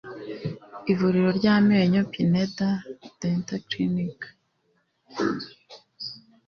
ivuriro ry'amenyo Pineda Dental Clinic